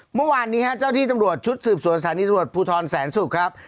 เมื่อวานนี้ฮะเจ้าที่ตำรวจชุดสืบสวนสถานีตำรวจภูทรแสนศุกร์ครับ